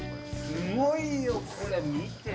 すごいよこれ見て。